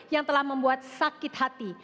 yang telah membuat sakit hati